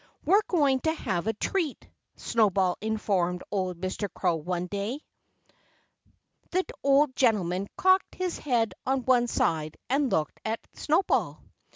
"We're going to have a treat," Snowball informed old Mr. Crow one day. The old gentleman cocked his head on one side and looked at Snowball.